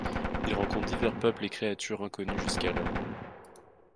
Ils rencontrent divers peuples et créatures inconnus jusqu'alors.